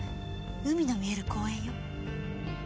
海の見える公園よ。